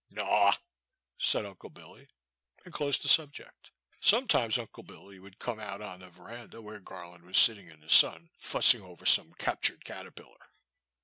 Naw," said Uncle Billy, and closed the sub ject. Sometimes Unde Billy would come out on the verandah where Garland was sitting in the sun, fussing over some captured caterpillar.